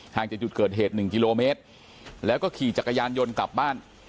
จากจุดเกิดเหตุ๑กิโลเมตรแล้วก็ขี่จักรยานยนต์กลับบ้าน